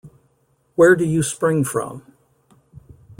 Where do you spring from?